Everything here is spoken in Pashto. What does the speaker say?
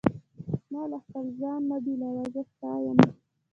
ما له خپل ځانه مه بېلوه، زه ستا یم.